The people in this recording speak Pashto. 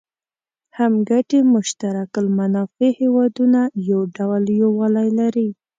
هم ګټي مشترک المنافع هېوادونه یو ډول یووالی لري.